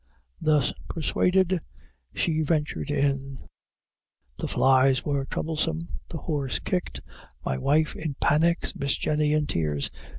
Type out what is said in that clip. Thus persuaded, she ventured in the flies were troublesome the horse kicked my wife in panics Miss Jenny in tears.